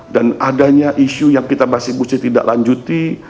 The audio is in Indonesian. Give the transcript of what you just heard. dan adanya isu yang kita masih mesti tidak lanjuti